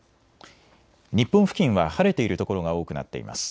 日本付近は晴れている所が多くなっています。